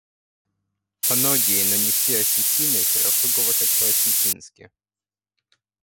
Многие — но не все — осетины хорошо говорят по-осетински.